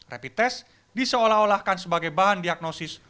rapid test diseolah olahkan sebagai bahan diberikan kepadanya